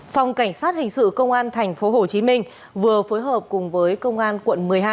phòng cảnh sát hình sự công an tp hcm vừa phối hợp cùng với công an quận một mươi hai